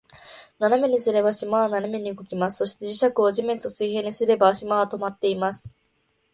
斜めにすれば、島は斜めに動きます。そして、磁石を土面と水平にすれば、島は停まっています。